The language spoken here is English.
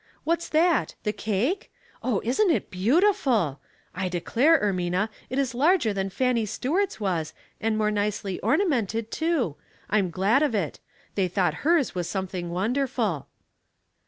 What's that, the cake ? Oh, isn't that beautiful! I de clare, Ermina, it is larger than Fanny Stuart's was, and more nicely ornamented, too. I'm glad of it. They thought hers was something wonderful."